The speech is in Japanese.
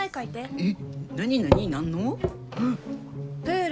えっ！